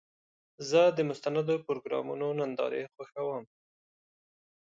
زه د مستندو پروګرامونو نندارې خوښوم.